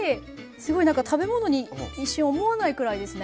すごい何か食べ物に一瞬思わないくらいですね。